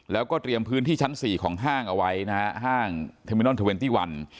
แล้วก็เตรียมพื้นที่ชั้น๔ของห้างเอาไว้นะฮะห้างเทรมินอล๒๑